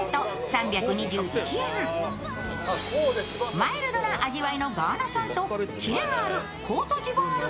マイルドな味わいのガーナ産とキレがあるコートジボワール